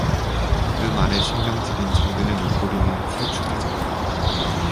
그 말에 신경질인 정근의 눈꼬리는 샐쭉해졌다.